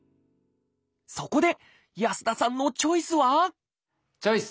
そこで安田さんのチョイスはチョイス！